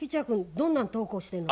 どんなん投稿してんの？